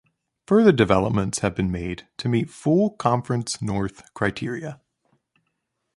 Further developments have been made to meet full Conference North criteria.